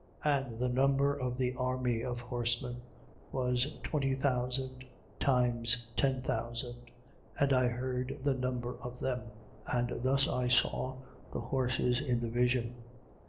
9:16. And the number of the army of horsemen was twenty thousand times ten thousand. And I heard the number of them. 9:17. And thus I saw the horses in the vision.